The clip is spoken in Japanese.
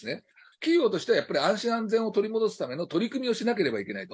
企業としては、やっぱり安心、安全を取り戻すための取り組みをしなければいけないと。